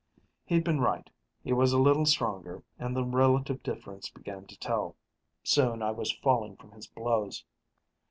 He'd been right he was a little stronger, and the relative difference began to tell. Soon I was falling from his blows.